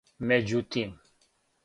међутим